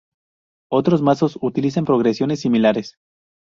Otros mazos utilizan progresiones similares.